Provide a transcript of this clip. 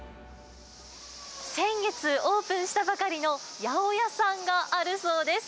先月オープンしたばかりの八百屋さんがあるそうです。